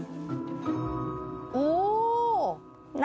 おお！